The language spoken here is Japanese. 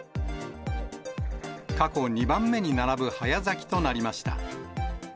過去２番目に並ぶ早咲きとなりました。